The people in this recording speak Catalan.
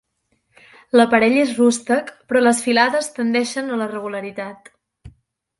L'aparell és rústec, però les filades tendeixen a la regularitat.